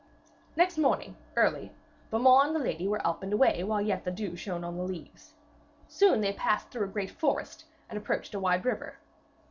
Next morning, early, Beaumains and the lady were up and away while yet the dew shone on the leaves. Soon they passed through a great forest and approached a wide river.